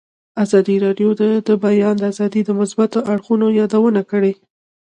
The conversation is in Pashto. ازادي راډیو د د بیان آزادي د مثبتو اړخونو یادونه کړې.